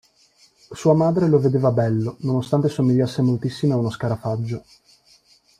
Sua madre lo vedeva bello nonostante somigliasse moltissimo a uno scarafaggio.